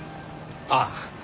ああ。